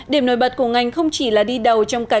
điểm nổi bật của ngành không chỉ là đi đầu trong cảnh